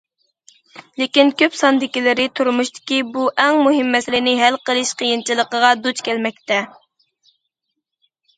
لېكىن كۆپ ساندىكىلىرى تۇرمۇشتىكى بۇ ئەڭ مۇھىم مەسىلىنى ھەل قىلىش قىيىنچىلىقىغا دۇچ كەلمەكتە.